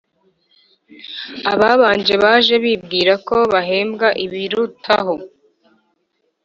Ababanje baje bibwira ko bahembwa ibirutaho